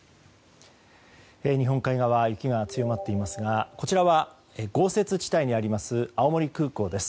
日本海側雪が強まっていますがこちらは豪雪地帯にあります青森空港です。